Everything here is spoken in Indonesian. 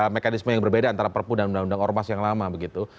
mekanisme yang berbeda antara perpu dan undang undang ormas yang lama begitu